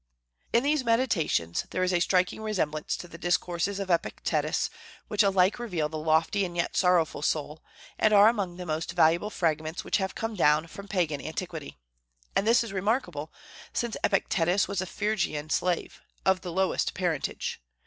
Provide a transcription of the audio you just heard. In these "Meditations" there is a striking resemblance to the discourses of Epictetus, which alike reveal the lofty and yet sorrowful soul, and are among the most valuable fragments which have come down from Pagan antiquity; and this is remarkable, since Epictetus was a Phrygian slave, of the lowest parentage.